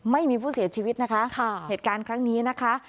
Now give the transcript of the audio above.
ไม่มีผู้เสียชีวิตนะคะเหตุการณ์ครั้งนี้นะคะ